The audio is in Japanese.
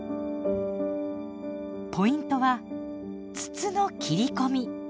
ポイントは筒の切り込み。